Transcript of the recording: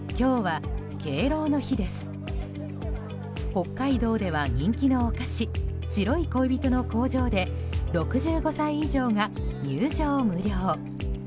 北海道では人気のお菓子白い恋人の工場で６５歳以上が入場無料。